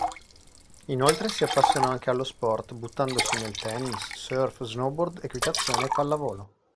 Inoltre si appassionò anche allo sport, buttandosi nel tennis, surf, snowboard, equitazione e pallavolo.